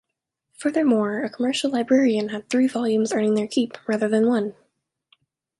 Furthermore, a commercial librarian had three volumes earning their keep, rather than one.